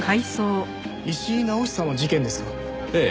石井直久の事件ですか？